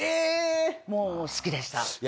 もう好きでした。